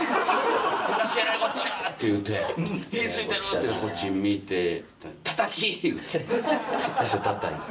「隆史えらいこっちゃ！」って言うて「火付いてる！」ってこっち見て「たたき！」言うてたたいて。